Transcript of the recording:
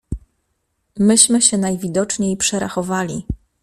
"Myśmy się najwidoczniej przerachowali."